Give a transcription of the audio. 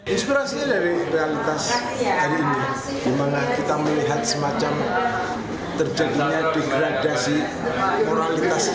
inspirasinya dari realitas hari ini dimana kita melihat semacam terjadinya degradasi moralitas